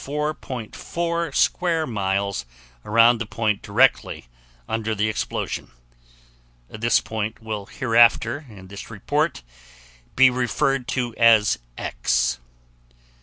4 square miles around the point directly under the explosion (this point will hereafter in this report be referred to as X).